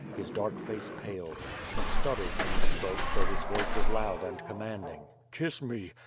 His dark face paled. He stuttered when h»3 spoke, though his voice was loud and commanding: "Kiss me!